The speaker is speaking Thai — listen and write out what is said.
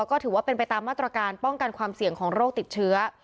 ก็ถือว่าเป็นไปตามมาตรการป้องกันความเสี่ยงของโรคติดเชื้อ